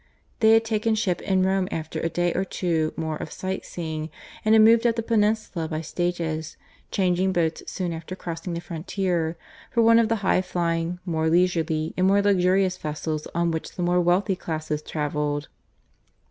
They had taken ship in Rome after a day or two more of sight seeing, and had moved up the peninsula by stages, changing boats soon after crossing the frontier, for one of the high flying, more leisurely and more luxurious vessels on which the more wealthy classes travelled.